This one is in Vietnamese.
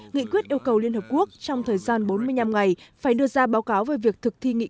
nghị quyết yêu cầu liên hợp quốc trong thời gian bốn mươi năm ngày phải đưa ra báo cáo về việc thực thi nghị